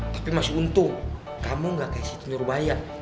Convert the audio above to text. tapi masih untung kamu gak kayak si tunur bayak